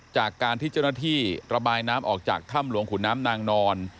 จากการที่เจ้าหน้าที่ระบายน้ำออกจากถ้ำหลวงขุนน้ำนางนอน